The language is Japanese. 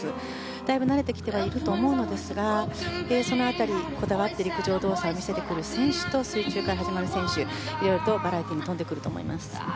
だいぶ慣れてきてはいると思いますが、その辺りこだわって陸上動作を見せてくる選手と水中から始まる選手いろいろとバラエティーに富んでくると思います。